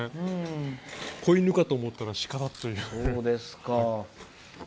子犬かと思ったら鹿だという。